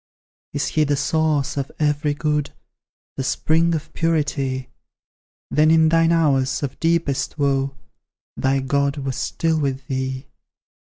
Is He the source of every good, The spring of purity? Then in thine hours of deepest woe, Thy God was still with thee.